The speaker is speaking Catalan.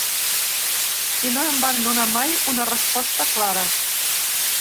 I no em van donar mai una resposta clara.